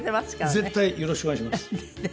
絶対よろしくお願いします。